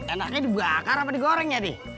enaknya dibakar apa digoreng ya d